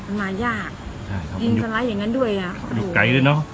น้ำมายากชะมัดแล้วอย่างงั้นด้วยอ่ะโอ้โหแกได้น่ะ